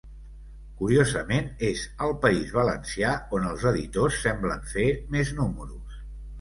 Curiosament, és al País Valencià on els editors semblen fer més números.